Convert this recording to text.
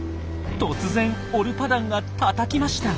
突然オルパダンがたたきました。